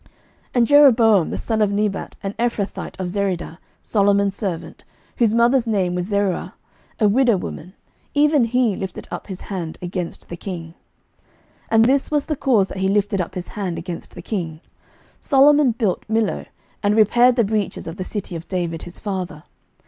11:011:026 And Jeroboam the son of Nebat, an Ephrathite of Zereda, Solomon's servant, whose mother's name was Zeruah, a widow woman, even he lifted up his hand against the king. 11:011:027 And this was the cause that he lifted up his hand against the king: Solomon built Millo, and repaired the breaches of the city of David his father.